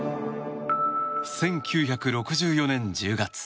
１９６４年１０月。